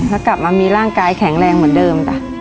แล้วกลับมามีร่างกายแข็งแรงเหมือนเดิมจ้ะ